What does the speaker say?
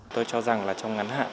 tôi cho rằng là trong ngắn hạn